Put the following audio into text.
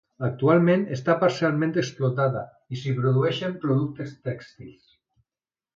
Actualment està parcialment explotada i s'hi produeixen productes tèxtils.